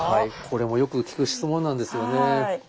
これもよく聞く質問なんですよね。